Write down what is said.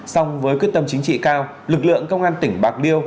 song với quyết tâm chính trị cao lực lượng công an tỉnh bạc điêu